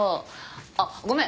あっごめん。